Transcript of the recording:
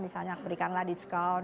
misalnya berikanlah diskon